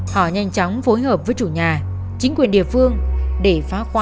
họ nhanh chóng phối hợp với chủ nhà chính quyền địa phương để phá khóa tìm sự bí ẩn